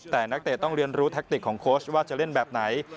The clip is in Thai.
แต่นักเตะต้องเรียนรู้แท็กติกของโค้ชว่าจะเล่นแบบไหน